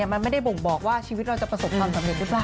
มันไม่ได้บ่งบอกว่าชีวิตเราจะประสบความสำเร็จหรือเปล่า